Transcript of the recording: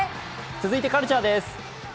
続いて「カルチャー」です。